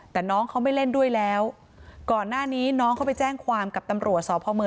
แต่น้องเขาไม่เล่นด้วยแล้วก่อนหน้านี้น้องเขาไปแจ้งความกับตำรวจสพม